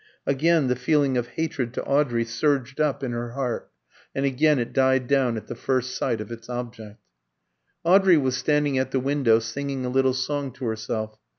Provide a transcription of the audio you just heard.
Again the feeling of hatred to Audrey surged up in her heart, and again it died down at the first sight of its object. Audrey was standing at the window singing a little song to herself.